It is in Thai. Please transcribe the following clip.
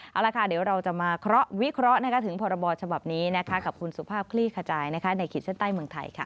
เอาละค่ะเดี๋ยวเราจะมาวิเคราะห์ถึงพรบฉบับนี้กับคุณสุภาพคลี่ขจายในขีดเส้นใต้เมืองไทยค่ะ